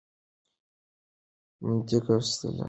منطق او استدلال وکاروئ.